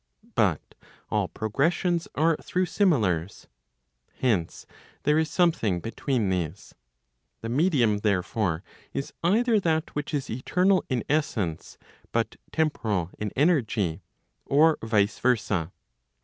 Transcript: But all progressions are through similars. Hence there is something between these. The medium therefore, is either that which is eternal in essence, but temporal in energy, or vice versa.